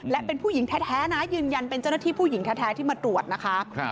และเป็นผู้หญิงแท้นะยืนยันเป็นเจ้าหน้าที่ผู้หญิงแท้ที่มาตรวจนะคะ